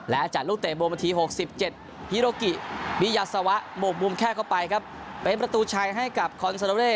และจากลูกเตะโบนาที๖๗ฮิโรกิบิยาซาวะบกมุมแค่เข้าไปครับเป็นประตูชัยให้กับคอนซาโดเร่